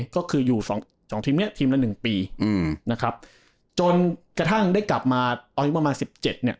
ก็คืออยู่สองทีมนี้ทีมละหนึ่งปีจนกระทั่งได้กลับมาตอนที่ประมาณ๑๗ปี